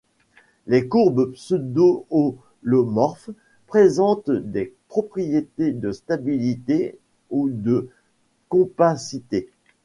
Les courbes pseudoholomorphes présentent des propriétés de stabilité ou de compacité.